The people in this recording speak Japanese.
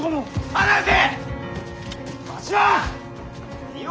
・離せ！